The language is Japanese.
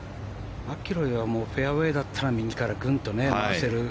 マキロイはフェアウェーだったら右からぐんと回せる。